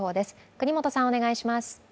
國本さん、お願いします。